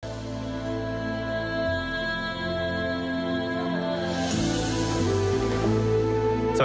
หลายพื้นที่หลาย